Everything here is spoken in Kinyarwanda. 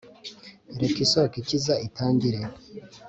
reka isoko ikiza itangire,